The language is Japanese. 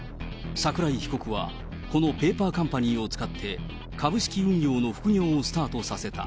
桜井被告はこのペーパーカンパニーを使って、株式運用の副業をスタートさせた。